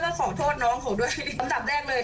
ก็หัวมันจะให้เกียรติเราแล้วก็ไม่ต้องให้เกียรติมันค่ะ